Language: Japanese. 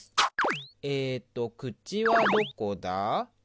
えっと口はどこだ？